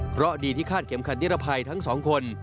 เพราะดีที่คาดเข็มขัดนิรภัยทั้งสองคน